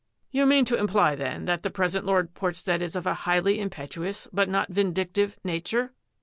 " You mean to imply then that the present Lord Portstead is of a highly impetuous, but not vin dictive, nature?